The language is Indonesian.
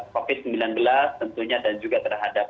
covid sembilan belas tentunya dan juga terhadap